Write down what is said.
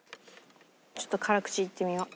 ちょっと辛口いってみよう。